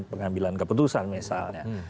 pengambilan keputusan misalnya